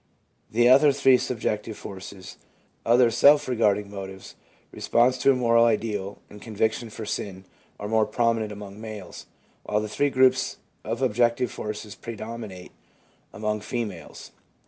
The other three subjective forces — other self regarding motives, response to a moral ideal, and con viction for sin — are more prominent among males, while the three groups of objective forces predominate among females.